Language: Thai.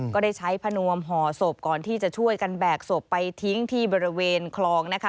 ก็ได้ใช้พนวมห่อศพก่อนที่จะช่วยกันแบกศพไปทิ้งที่บริเวณคลองนะคะ